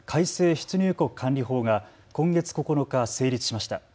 出入国管理法が今月９日、成立しました。